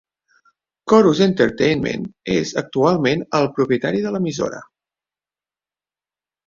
Corus Entertainment és actualment el propietari de l'emissora.